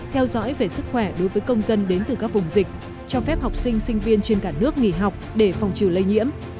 theo dõi về sức khỏe đối với công dân đến từ các vùng dịch cho phép học sinh sinh viên trên cả nước nghỉ học để phòng trừ lây nhiễm